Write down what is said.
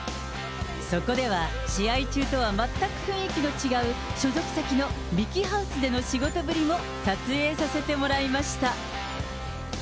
そこでは試合中とは全く雰囲気の違う、所属先のミキハウスでの仕事ぶりを撮影させてもらいました。